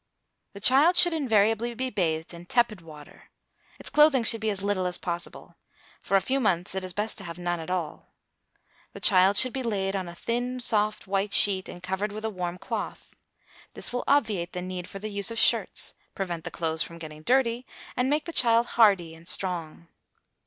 The child should invariably be bathed in tepid water. Its clothing should be as little as possible; for a few months it is best to have none at all. The child should be laid on a thin soft white sheet and covered with a warm cloth. This will obviate the need for the use of shirts, prevent the clothes from getting dirty, and make the child hardy and strong.